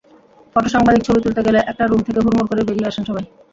ফটোসাংবাদিক ছবি তুলতে গেলে একটা রুম থেকে হুড়মুড় করে বেরিয়ে আসেন সবাই।